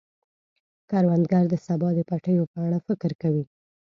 کروندګر د سبا د پټیو په اړه فکر کوي